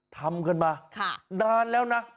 ทำกันมานานแล้วนะ